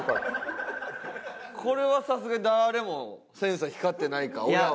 これはさすがに誰もセンサー光ってないか親は。